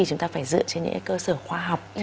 chúng ta phải dựa trên những cơ sở khoa học